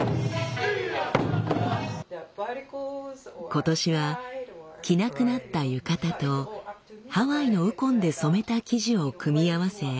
今年は着なくなった浴衣とハワイのウコンで染めた生地を組み合わせ